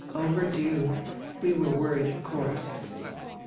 Overdue. We were worried, of course."